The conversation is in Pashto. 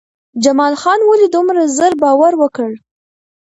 جمال خان ولې دومره زر باور وکړ؟